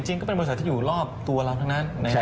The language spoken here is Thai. จริงก็เป็นบริษัทที่อยู่รอบตัวเราทั้งนั้นนะครับ